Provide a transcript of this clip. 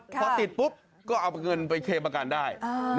พอติดปุ๊บก็เอาเงินไปเคลมประกันได้